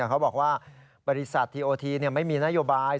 เขาบอกว่าบริษัททีโอทีไม่มีนโยบาย